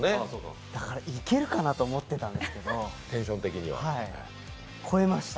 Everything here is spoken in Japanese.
だから、いけるかなと思ってたんですけど、超えました。